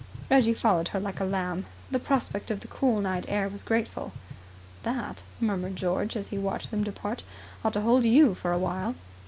Reggie followed her like a lamb. The prospect of the cool night air was grateful. "That," murmured George, as he watched them depart, "ought to hold you for a while!"